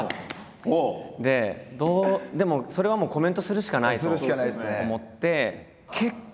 でもそれはもうコメントするしかないと思って。